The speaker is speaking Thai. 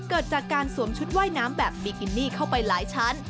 เกิดจากการสวมชุดว่ายน้ำแบบบิกินี่เข้าไปหลายชั้น